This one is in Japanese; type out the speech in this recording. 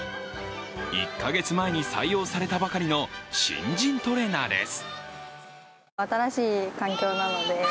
１か月前に採用されたばかりの新人トレーナーです。